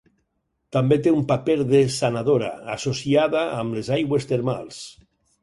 També té un paper de sanadora, associada amb les aigües termals.